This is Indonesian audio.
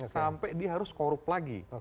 sampai dia harus korup lagi